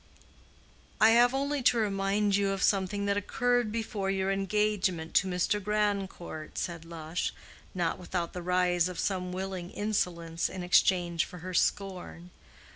"I have only to remind you of something that occurred before your engagement to Mr. Grandcourt," said Lush, not without the rise of some willing insolence in exchange for her scorn.